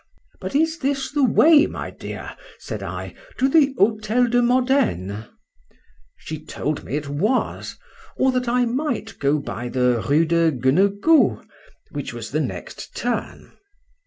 —But is this the way, my dear, said I, to the Hotel de Modene? She told me it was;—or that I might go by the Rue de Gueneguault, which was the next turn.